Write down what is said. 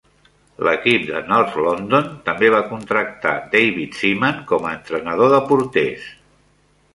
L"equip de North London també va contractar David Seaman com a entrenador de porters.